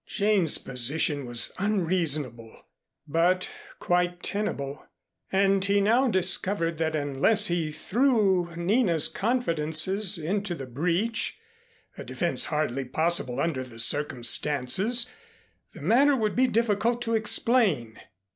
Jane's position was unreasonable, but quite tenable, and he now discovered that unless he threw Nina's confidences into the breach, a defense hardly possible under the circumstances, the matter would be difficult to explain.